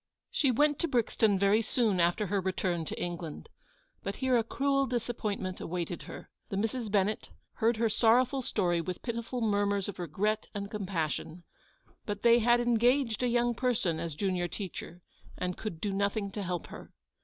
She went to Brixton very soon after her return to England ; but here a cruel disappointment awaited her. The Misses Bennett heard her sorrowful story with pitiful murmurs of regret and compassion ; but they had engaged a young person as junior teacher, and could do nothing to help her.